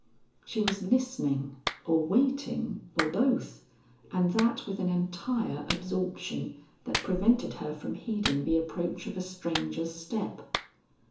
She was listening, or waiting, or both, and that with an entire absorption that prevented her from heeding the approach of a stranger's step.